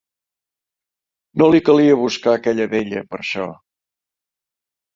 No li calia buscar aquella vella per això!